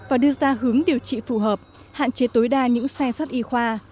và đưa ra hướng điều trị phù hợp hạn chế tối đa những xe sót y khoa